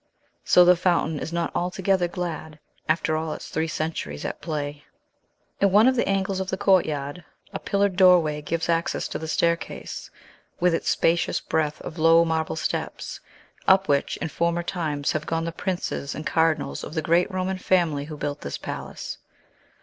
So the fountain is not altogether glad, after all its three centuries at play! In one of the angles of the courtyard, a pillared doorway gives access to the staircase, with its spacious breadth of low marble steps, up which, in former times, have gone the princes and cardinals of the great Roman family who built this palace.